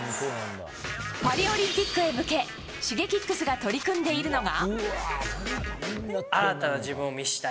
パリオリンピックへ向けＳｈｉｇｅｋｉｘが取り組んでいるのが。